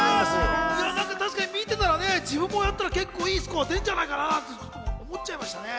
確かに見てたら自分もやったら、結構いいスコア出ちゃうんじゃないかなと思っちゃいましたね。